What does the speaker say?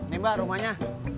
nih mbak rumahnya